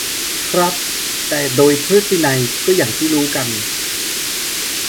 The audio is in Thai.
ครับ แต่โดยพฤตินัยก็อย่างที่รู้กัน